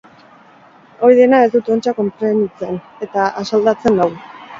Hori dena ez dut ontsa konprenitzen, eta asaldatzen nau.